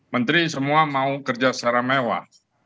menteri semua mau kerja secara mewah